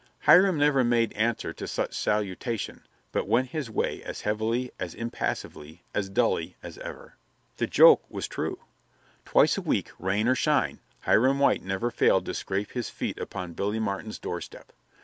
Hiram never made answer to such salutation, but went his way as heavily, as impassively, as dully as ever. The joke was true. Twice a week, rain or shine, Hiram White never failed to scrape his feet upon Billy Martin's doorstep.